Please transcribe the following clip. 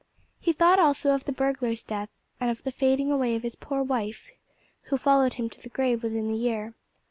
He thought also of the burglar's death, and of the fading away of his poor wife, who followed him to the grave within the year.